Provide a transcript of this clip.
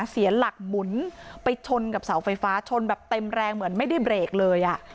เสียหลักหมุนไปชนกับเสาไฟฟ้าชนแบบเต็มแรงเหมือนไม่ได้เบรกเลยอ่ะ